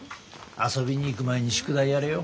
遊びに行く前に宿題やれよ。